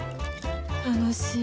楽しい。